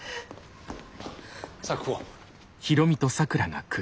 咲子！